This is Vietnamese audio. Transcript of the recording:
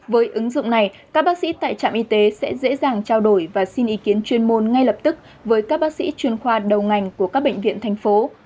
với ứng dụng này các bác sĩ tại trạm y tế sẽ dễ dàng trao đổi và xin ý kiến chuyên môn ngay lập tức với các bác sĩ chuyên khoa đầu ngành của các bệnh viện thành phố